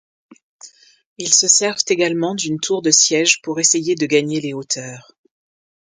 Ils se servent également d'une tour de siège pour essayer de gagner les hauteurs.